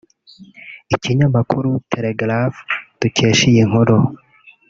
Ikinyamakuru Telegraph dukesha iyi nkuru